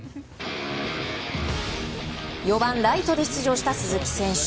４番ライトで出場した鈴木選手。